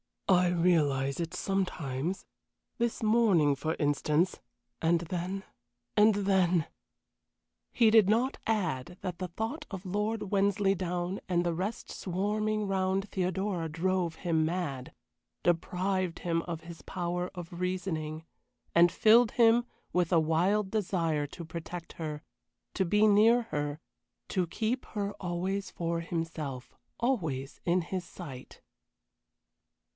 "I realize it sometimes this morning, for instance and then and then " He did not add that the thought of Lord Wensleydown and the rest swarming round Theodora drove him mad, deprived him of his power of reasoning, and filled him with a wild desire to protect her, to be near her, to keep her always for himself, always in his sight.